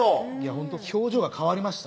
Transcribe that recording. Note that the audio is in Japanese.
ほんと表情が変わりました